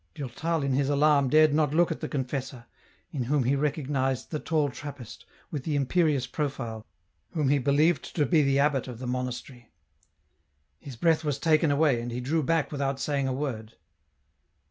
Durtal in his alarm dared not look at the confessor, in whom he recognized the tall Trappist, with the imperious profile, whom he believed to be the abbot of the monastery. His breath was taken away, and he drew back without saying a word.